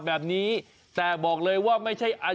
ข้าวเม่า